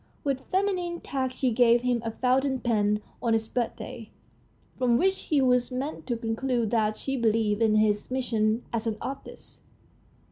With feminine tact she gave him a fountain pen on his birthday, from which he was meant to conclude that she believed in his mission as an artist.